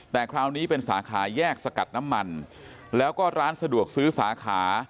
แต่คราวนี้เป็นสาขาแยกสกัดน้ำมันแล้วก็ร้านสะดวกซื้อสาขา